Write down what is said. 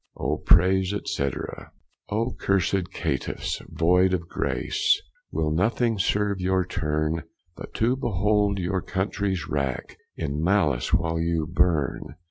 O praise, &c. O cursed catifes, void of grace, Will nothing serve your turne, But to behold your cuntries wrack, In malice while you burne?